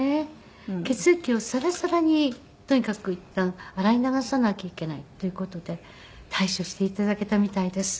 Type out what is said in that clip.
血液をサラサラにとにかくいったん洗い流さなきゃいけないっていう事で対処して頂けたみたいです。